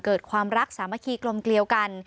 เกิดความรักสามัคคีกลมเกลียวกัน